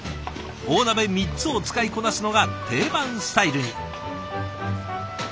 大鍋３つを使いこなすのが定番スタイルに。